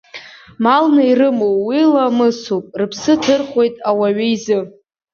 Малны ирымоу уи ламысуп, рыԥсы ҭырхуеит ауаҩ изы.